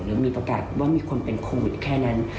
หรือมีประกาศว่ามีคนเป็นโควิดแค่นั้น